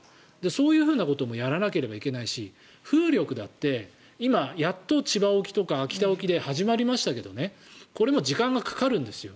そういうふうなこともやらなきゃいけないし風力だって今、やっと千葉沖とか秋田沖で始まりましたけどねこれも時間がかかるんですよ。